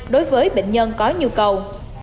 đối với bệnh nhân có nhu cầu